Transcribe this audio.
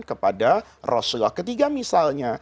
kepada rasulullah ketiga misalnya